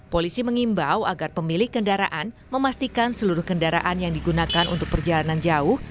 polisi mengimbau agar pemilik kendaraan memastikan seluruh kendaraan yang digunakan untuk perjalanan jauh